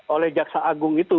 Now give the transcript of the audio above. oleh jaksagung itu